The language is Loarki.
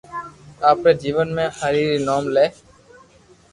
آپري جيون ۾ ھري ري نوم لي